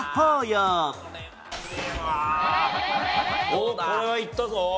おおこれはいったぞ。